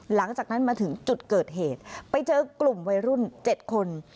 หลังจากนั้นมาถึงจุดเกิดเหตุไปเจอกลุ่มวัยรุ่น๗คน